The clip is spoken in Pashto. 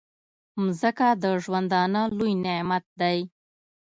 مځکه د ژوندانه لوی نعمت دی.